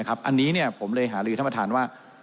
อันนี้ผมเลยหาลือท่านประธานว่า